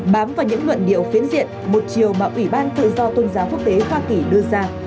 bám vào những luận điệu phiến diện một chiều mà ủy ban tự do tôn giáo quốc tế hoa kỳ đưa ra